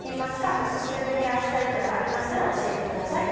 お薦めのヘアスタイルなどありましたら教えてください」